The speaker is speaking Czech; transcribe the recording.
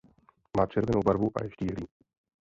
Má červenou barvu a je štíhlý.